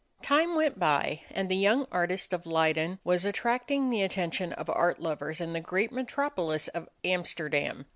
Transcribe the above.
Time went by, and the young artist of Leyden was attracting the attention of art lovers in the great metropolis of Amsterdam.